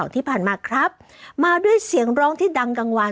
ที่ผ่านมาครับมาด้วยเสียงร้องที่ดังกลางวัน